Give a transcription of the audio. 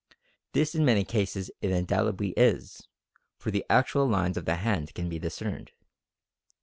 This in many cases it undoubtedly is, for the actual lines of the hand can be discerned.